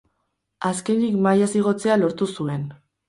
Azkenik mailaz igotzea lortu zuen.